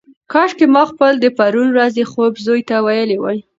کاشکي ما خپل د پرون ورځې خوب زوی ته ویلی وای.